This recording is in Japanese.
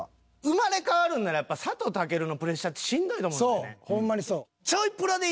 生まれ変わるんならやっぱ佐藤健のプレッシャーってしんどいと思うんですよね。